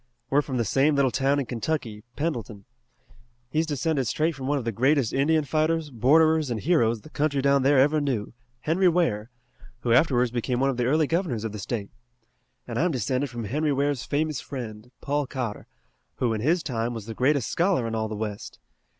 We're from the same little town in Kentucky, Pendleton. He's descended straight from one of the greatest Indian fighters, borderers and heroes the country down there ever knew, Henry Ware, who afterwards became one of the early governors of the State. And I'm descended from Henry Ware's famous friend, Paul Cotter, who, in his time, was the greatest scholar in all the West.